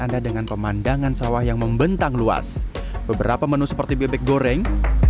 anda dengan pemandangan sawah yang membentang luas beberapa menu seperti bebek goreng